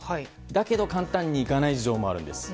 だけど簡単にいかない事情もあるんです。